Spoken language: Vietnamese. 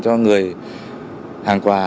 cho người hàng hóa